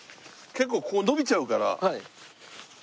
結構こう伸びちゃうから。